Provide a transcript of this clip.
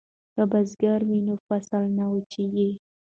که بزګر وي نو فصل نه وچیږي.